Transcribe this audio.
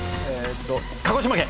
鹿児島県。